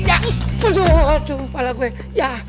aduh aduh kepala gw ya